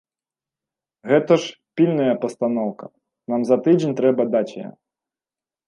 Гэта ж пільная пастаноўка, нам за тыдзень трэба даць яе.